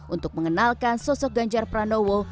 untuk mengenalkan sosok ganjar pranowo